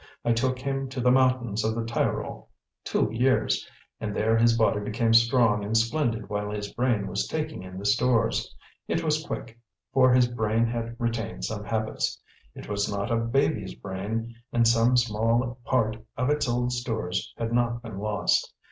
I took him to the mountains of the Tyrol two years and there his body became strong and splendid while his brain was taking in the stores. It was quick, for his brain had retained some habits; it was not a baby's brain, and some small part of its old stores had not been lost.